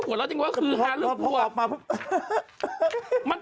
หัวเล่าการแสดง